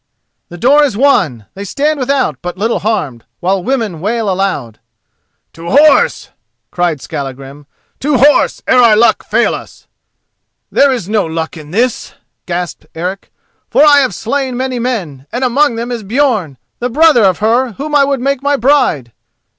The door is won. They stand without but little harmed, while women wail aloud. "To horse!" cried Skallagrim; "to horse, ere our luck fail us!" "There is no luck in this," gasped Eric; "for I have slain many men, and among them is Björn, the brother of her whom I would make my bride."